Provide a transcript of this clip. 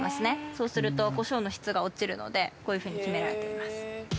そうするとコショウの質が落ちるのでこういうふうに決められています。